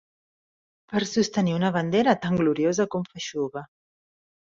...per a sostenir una bandera tan gloriosa com feixuga.